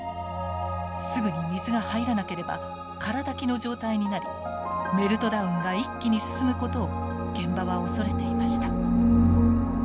すぐに水が入らなければ空だきの状態になりメルトダウンが一気に進むことを現場は恐れていました。